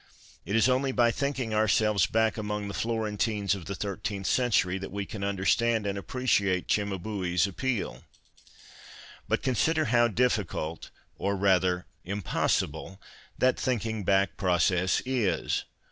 It is only by thinking ourselves back among the Florentines of the thirteenth century that we can understand and appreciate Cimabue's appeal. But consider how dillicult — or, rather, impossible — that thinking back process is.